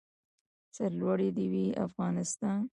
سر لوړی د وي افغانستان.